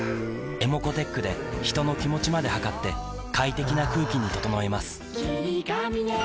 ｅｍｏｃｏーｔｅｃｈで人の気持ちまで測って快適な空気に整えます